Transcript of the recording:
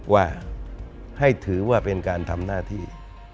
ว่าให้ถือว่าเป็นการทำหน้าที่